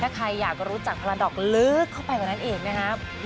ถ้าใครอยากรู้จักพาราดอกลึกเข้าไปกว่านั้นเองนะครับ